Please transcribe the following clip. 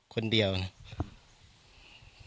คนเดียวเนี่ย